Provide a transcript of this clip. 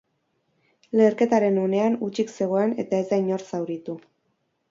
Leherketaren unean hutsik zegoen eta ez da inor zauritu.